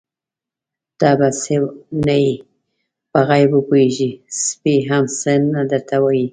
_ته بې څه نه يې، په غيبو پوهېږې، سپی هم څه نه درته وايي.